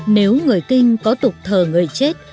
nếu người kinh có tục thờ người chết